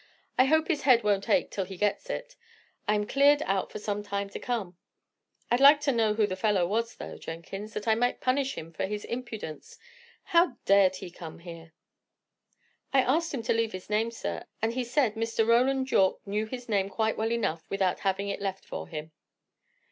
"I hope his head won't ache till he gets it! I am cleared out for some time to come. I'd like to know who the fellow was, though, Jenkins, that I might punish him for his impudence. How dared he come here?" "I asked him to leave his name, sir, and he said Mr. Roland Yorke knew his name quite well enough, without having it left for him."